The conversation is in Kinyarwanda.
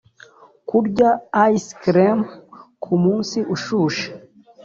kurya ice cream kumunsi ushushe.